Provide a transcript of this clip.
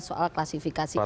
aturan menteri keuangan ini ya